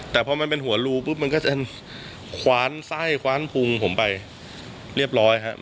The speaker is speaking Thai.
แต่พอมันเป็นหัวรูปุ๊บมันก็จะคว้านไส้คว้านพุงผมไปเรียบร้อยครับ